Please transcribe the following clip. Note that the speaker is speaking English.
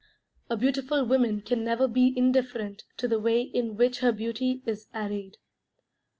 A beautiful woman can never be indifferent to the way in which her beauty is arrayed.